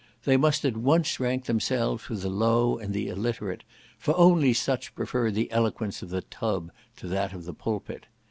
They must at once rank themselves with the low and the illiterate, for only such prefer the eloquence of the tub to that of the pulpit.